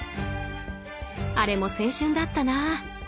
あれも青春だったな。